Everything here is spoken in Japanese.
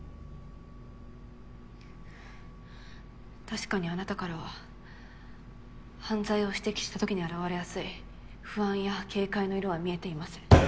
確かにあなたからは犯罪を指摘した時に現れやすい「不安」や「警戒」の色は見えていません。